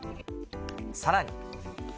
さらに。